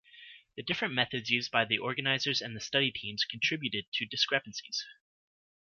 The different methods used by the organisers and the study teams contributed to discrepancies.